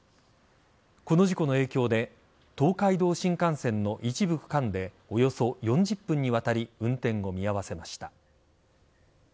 この事故の影響で東海道新幹線の一部区間でおよそ４０分にわたり運転を見合わせました。